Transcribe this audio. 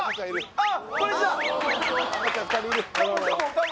あっ！